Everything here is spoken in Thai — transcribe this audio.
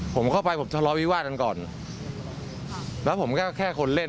ผมเข้าไปผมทะเลาวิวาดกันก่อนแล้วผมก็แค่คนเล่น